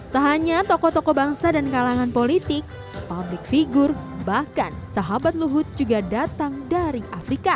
tak hanya tokoh tokoh bangsa dan kalangan politik public figure bahkan sahabat luhut juga datang dari afrika